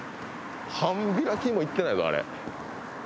半開きもいってないぞあれ。